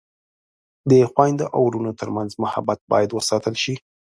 د خویندو او ورونو ترمنځ محبت باید وساتل شي.